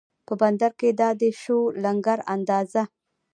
په بندر کې دا دی شو لنګر اندازه